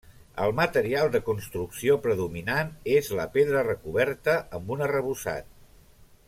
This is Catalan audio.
El material de construcció predominant és la pedra recoberta amb un arrebossat.